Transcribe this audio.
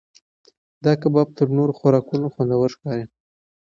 دا کباب تر نورو خوراکونو خوندور ښکاري.